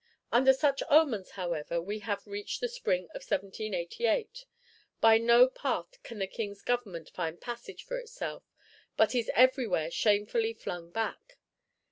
Under such omens, however, we have reached the spring of 1788. By no path can the King's Government find passage for itself, but is everywhere shamefully flung back.